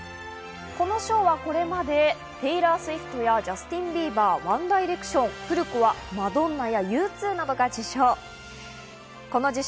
この賞はこれまでテイラー・スウィフトやジャスティン・ビーバー、ワン・ダイレクション、古くはマドンナやＵ２などが受賞。